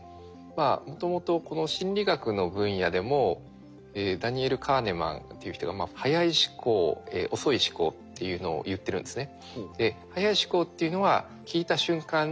もともとこの心理学の分野でもダニエル・カーネマンっていう人が速い思考遅い思考っていうのを言ってるんですね。